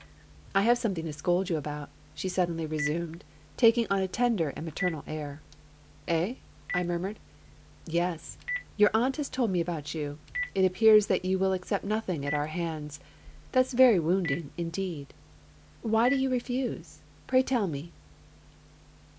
''I have something to scold 3'OU about!" she sud denly resumed, taking on a tender and maternal air. ''Eh?" I murmured. "Yes, 3'our aunt has told me about jon. It appears that you will accel)t nothing at our hands. That's very wounding, indeed! Why do you refuse? — pray tell me!"